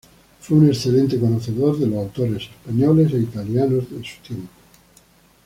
Fue un excelente conocedor de los autores españoles e italianos de su tiempo.